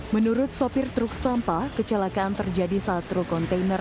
menurut sopir truk sampah kecelakaan terjadi saat truk kontainer